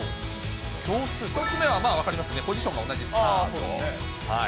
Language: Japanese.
１つ目はまあ分かりますね、ポジションが同じサード。